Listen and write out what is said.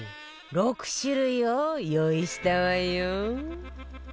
６種類を用意したわよ